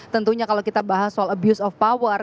tentunya kalau kita bahas soal abuse of power